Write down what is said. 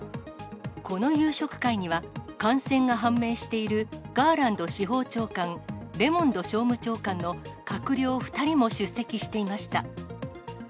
この夕食会には、感染が判明しているガーランド司法長官、レモンド商務長官の閣僚２人も出席していました。